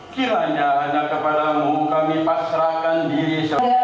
kiranya hanya kepadamu kami pasrakan diri